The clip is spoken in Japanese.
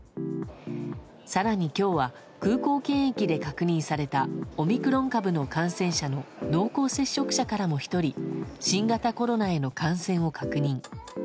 更に、今日は空港検疫で確認されたオミクロン株の感染者の濃厚接触者からも１人新型コロナへの感染を確認。